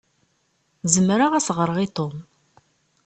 Zemreɣ ad s-ɣṛeɣ i Tom.